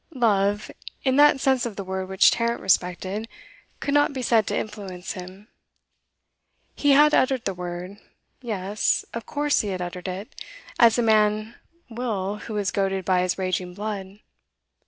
Love, in that sense of the word which Tarrant respected, could not be said to influence him. He had uttered the word; yes, of course he had uttered it; as a man will who is goaded by his raging blood.